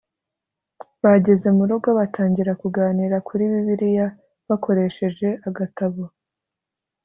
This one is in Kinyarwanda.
bageze mu rugo batangira kuganira kuri bibiliya bakoresheje agatabo